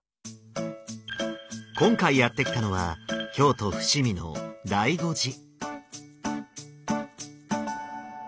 今回やって来たのは京都伏見の醍醐寺。